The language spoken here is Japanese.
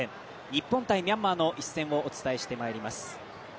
日本×ミャンマーの一戦をお伝えしてまいります。